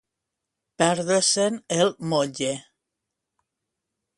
Perdre-se'n el motlle.